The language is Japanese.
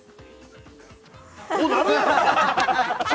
こうなるやんけ！